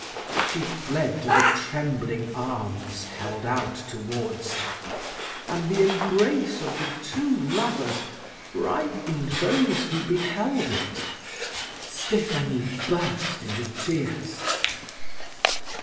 She fled to the trembling arms held out towards her, and the embrace of the two lovers frightened those who beheld it. Stephanie burst into tears.